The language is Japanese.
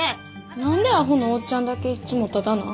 何でアホのおっちゃんだけいつもタダなん？